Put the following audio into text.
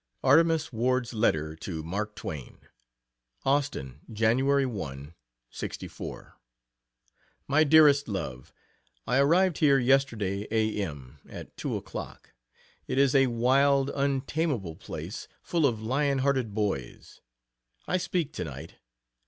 Artemus Ward's letter to Mark Twain: AUSTIN, Jan. 1, '64. MY DEAREST LOVE, I arrived here yesterday a.m. at 2 o'clock. It is a wild, untamable place, full of lionhearted boys. I speak tonight.